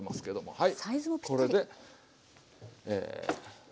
はい。